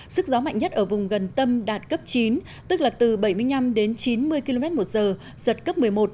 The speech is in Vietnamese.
sức gió mạnh nhất ở vùng gần tâm đạt cấp chín tức là từ bảy mươi năm đến chín mươi km một giờ giật cấp một mươi một